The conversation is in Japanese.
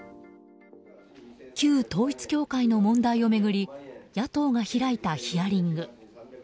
旧統一教会の問題を巡り野党が開いたヒアリング。